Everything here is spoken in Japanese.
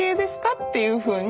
っていうふうに。